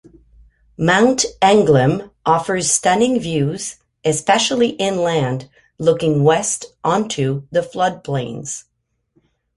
Mount Anglem offers stunning views, especially inland looking west onto the floodplains.